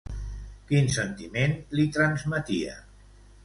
Quin sentiment li transmetia?